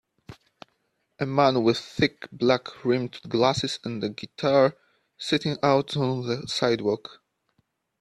A man with thick black rimmed glasses and a guitar sitting out on the sidewalk.